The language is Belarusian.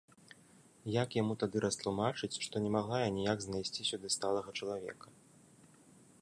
Як яму тады растлумачыць, што не магла я ніяк знайсці сюды сталага чалавека!